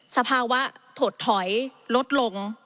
สภาวะถดถอยลดลง